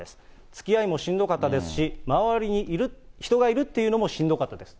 つきあいもしんどかったですし、周りに人がいるというのもしんどかったです。